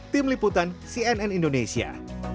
tim liputan cnn indonesia